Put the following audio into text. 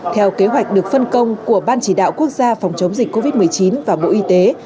theo kế hoạch được phân công của ban chỉ đạo quốc gia phòng chống dịch covid một mươi chín và bộ y tế